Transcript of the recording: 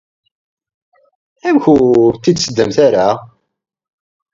Amek ur t-id-tseddamt ara?